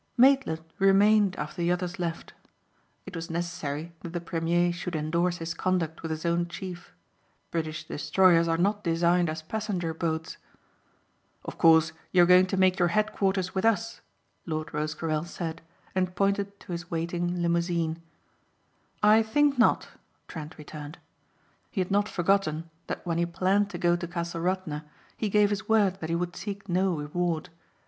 Maitland remained after the others left. It was necessary that the premier should endorse his conduct with his own chief. British destroyers are not designed as passenger boats. "Of course you are going to make your headquarters with us?" Lord Rosecarrel said and pointed to his waiting limousine. "I think not," Trent returned. He had not forgotten that when he planned to go to Castle Radna he gave his word that he would seek no reward.